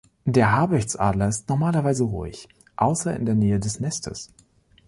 Der Habichtsadler ist normalerweise ruhig, außer in der Nähe des Nestes.